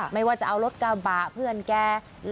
ไม่ว่าจะเอารถกระบะเพื่อนแก